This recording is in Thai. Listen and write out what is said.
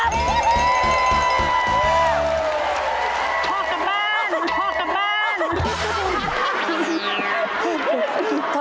นี่แหละถูกครับ